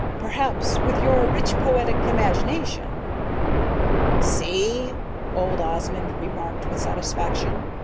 "Perhaps, with your rich poetic imagination...." "See?" old Osmond remarked with satisfaction.